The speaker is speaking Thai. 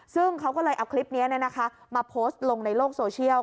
ซึ่งเขาก็เลยเอาคลิปนี้มาโพสต์ลงในโลกโซเชียล